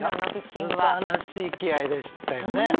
素晴らしい気合でしたよね。